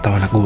atau anak gue